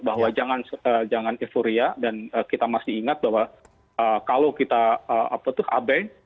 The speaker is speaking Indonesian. bahwa jangan euforia dan kita masih ingat bahwa kalau kita apa tuh abe